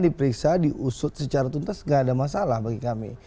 diperiksa diusut secara tuntas nggak ada masalah bagi kami